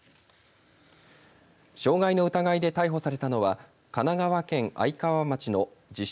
傷害の疑いで逮捕されたのは神奈川県愛川町の自称